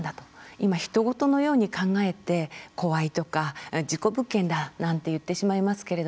今、ひと事のように考えて怖いとか、事故物件だなんて言ってしまいますけど